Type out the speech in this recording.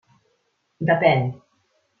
Depèn.